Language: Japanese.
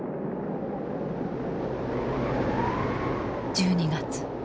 １２月。